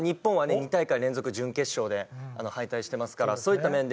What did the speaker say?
２大会連続準決勝で敗退してますからそういった面で。